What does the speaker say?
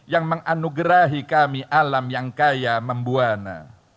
yang menganugerahi kami alam yang kaya membuana